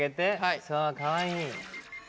そうかわいい。